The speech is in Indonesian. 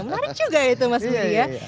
menarik juga itu mas budi ya